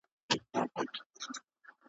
د تمدني تسلسل د اثبات لپاره وقف کړ